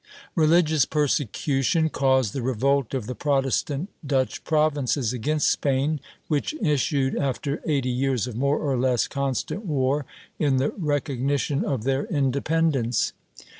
Religious persecution caused the revolt of the Protestant Dutch Provinces against Spain, which issued, after eighty years of more or less constant war, in the recognition of their independence.